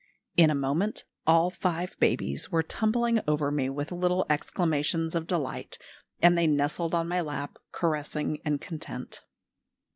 In a moment all five babies were tumbling over me with little exclamations of delight, and they nestled on my lap, caressing and content.